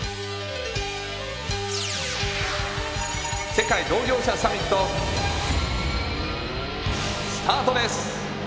世界同業者サミットスタートです。